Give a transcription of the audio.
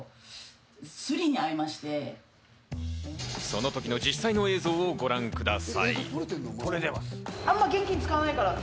その時の実際の映像をご覧ください。